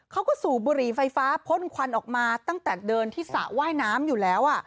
สูบบุหรี่ไฟฟ้าพ่นควันออกมาตั้งแต่เดินที่สระว่ายน้ำอยู่แล้ว